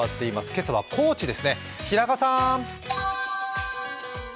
今朝は高知ですね、平賀さん！